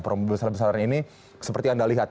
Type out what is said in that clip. promo besar besaran ini seperti yang anda lihat